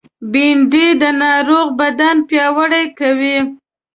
بېنډۍ د ناروغ بدن پیاوړی کوي